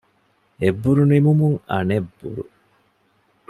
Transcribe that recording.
އެއްބުރު ނިމުމުން އަނެއް ބުރު